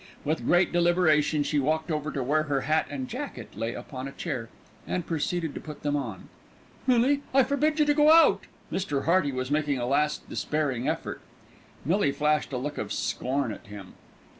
With great deliberation she walked over to where her hat and jacket lay upon a chair and proceeded to put them on. "Millie, I forbid you to go out." Mr. Hearty was making a last despairing effort. Millie flashed a look of scorn at him.